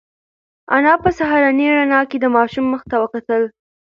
انا په سهارنۍ رڼا کې د ماشوم مخ ته وکتل.